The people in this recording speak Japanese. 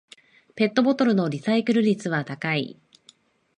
ペットボトルのリサイクル率は高い